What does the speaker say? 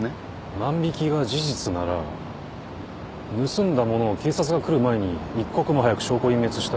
万引が事実なら盗んだ物を警察が来る前に一刻も早く証拠隠滅したいはず。